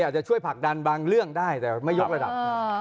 อาจจะช่วยผลักดันบางเรื่องได้แต่ไม่ยกระดับ